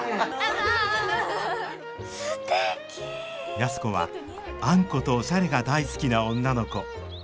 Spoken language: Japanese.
安子はあんことおしゃれが大好きな女の子。